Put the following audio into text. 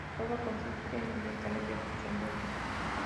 La prueba consiste en un examen de opción múltiple.